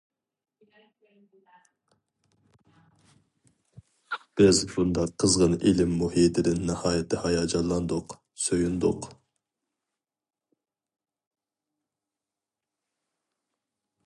بىز بۇنداق قىزغىن ئىلىم مۇھىتىدىن ناھايىتى ھاياجانلاندۇق، سۆيۈندۇق.